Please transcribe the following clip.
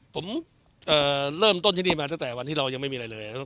ผมเริ่มต้นที่นี่มาตั้งแต่วันที่เรายังไม่มีอะไรเลย